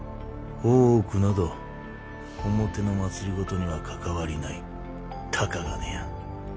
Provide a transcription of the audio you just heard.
大奥など表の政には関わりないたかが閨。